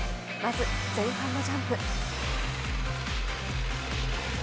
まず前半のジャンプ。